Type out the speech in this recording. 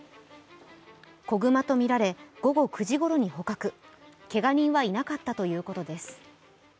子熊とみられ、午後９時ごろに捕獲けが人はいなかったということです。